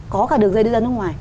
có cả đường dây đưa ra nước ngoài